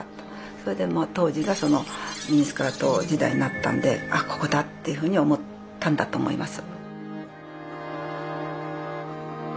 それでもう当時がそのミニスカート時代になったんであここだっていうふうに思ったんだと思います。